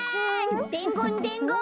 でんごんでんごん！